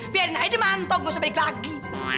biarin aja dia mantap gue sebaik lagi